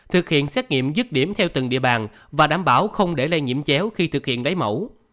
thực hiện xét nghiệm dứt điểm theo từng địa bàn và đảm bảo không để lây nhiễm chéo khi thực hiện lấy mẫu